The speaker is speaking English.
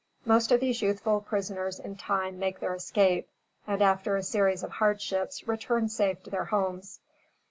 Most of these youthful prisoners in time make their escape; and, after a series of hardships, return safe to their homes.